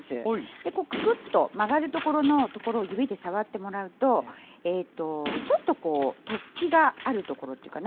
でこうククッと曲がるところのところを指で触ってもらうとちょっとこう突起があるところっていうかな。